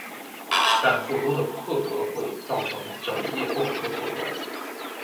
但过多的破格会造成整页构图的混乱。